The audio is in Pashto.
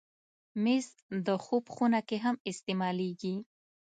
مېز د خوب خونه کې هم استعمالېږي.